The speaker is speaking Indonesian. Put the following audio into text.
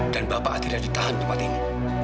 dan bapak tidak ditahan tempat ini